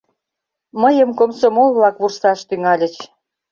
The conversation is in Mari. Мыйым комсомол-влак вурсаш тӱҥальыч: